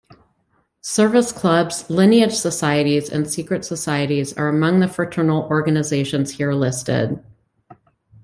Service clubs, lineage societies, and secret societies are among the fraternal organizations here listed.